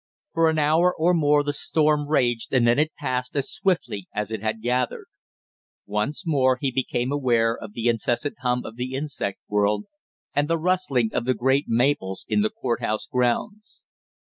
For an hour or more the storm raged and then it passed as swiftly as it had gathered. Once more he became aware of the incessant hum of the insect world, and the rustling of the great maples in the court house grounds.